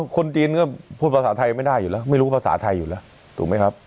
คนจีนก็พูดภาษาไทยไม่ได้อยู่แล้วไม่รู้ภาษาไทยอยู่แล้วถูกไหมครับ